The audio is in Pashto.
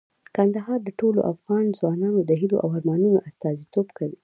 کندهار د ټولو افغان ځوانانو د هیلو او ارمانونو استازیتوب کوي.